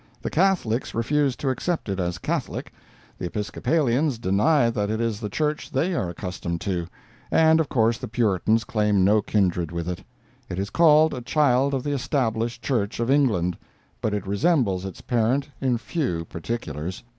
The Catholics refuse to accept it as Catholic, the Episcopalians deny that it is the church they are accustomed to, and of course the Puritans claim no kindred with it. It is called a child of the Established Church of England, but it resembles its parent in few particulars.